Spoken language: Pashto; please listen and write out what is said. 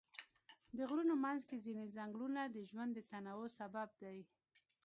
د غرونو منځ کې ځینې ځنګلونه د ژوند د تنوع سبب دي.